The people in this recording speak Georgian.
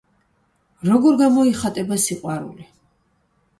როგორ გამოიხატება სიყვარული?